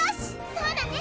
そうだね！